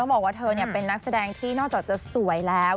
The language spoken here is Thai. บอกว่าเธอเป็นนักแสดงที่นอกจากจะสวยแล้ว